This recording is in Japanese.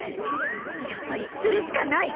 やっぱりするしかない！